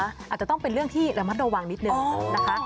อาจจะต้องเป็นเรื่องที่ระมัดระวังนิดนึงนะคะ